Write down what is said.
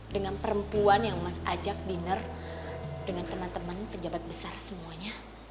dengan perempuan yang mas ajak dinner dengan teman teman pejabat besar semuanya